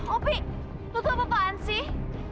opi lu tuh apaan sih